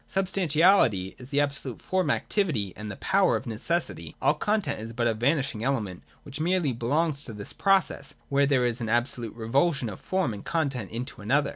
Substantiality is the absolute form activity and the power of necessity : all content is but a vanishing element which merely belongs to this pro cess, where there is an absolute revulsion of form and content into one another.